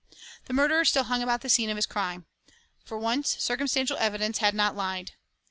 The murderer still hung about the scene of his crime. For once circumstantial evidence had not lied.